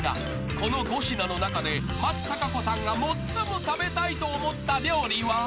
［この５品の中で松たか子さんが最も食べたいと思った料理は？］